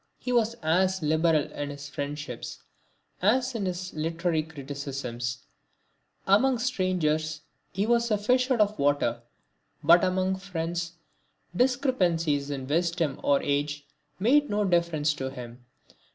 He was as liberal in his friendships as in his literary criticisms. Among strangers he was as a fish out of water, but among friends discrepancies in wisdom or age made no difference to him.